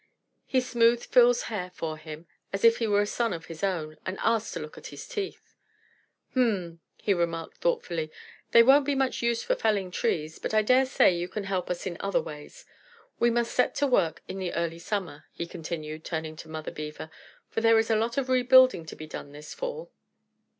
He smoothed Phil's hair for him as if he were a son of his own, and asked to look at his teeth. "H'm," he remarked thoughtfully. "They won't be much use for felling trees, but I daresay you can help us in other ways. We must set to work in the early summer," he continued, turning to Mother Beaver, "for there is a lot of rebuilding to be done this fall."